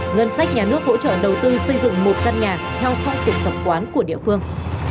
ngân sách nhà nước hỗ trợ đầu tư xây dựng một căn nhà theo phong tục tập quán của địa phương